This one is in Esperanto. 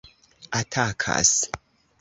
atakas